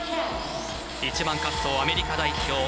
１番滑走、アメリカ代表